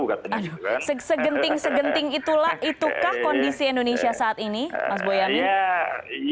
aduh segenting segenting itulah itukah kondisi indonesia saat ini mas boyamin